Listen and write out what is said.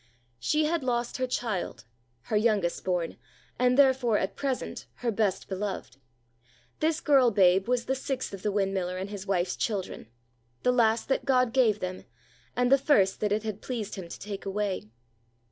She had lost her child, her youngest born, and therefore, at present, her best beloved. This girl babe was the sixth of the windmiller and his wife's children, the last that God gave them, and the first that it had pleased Him to take away.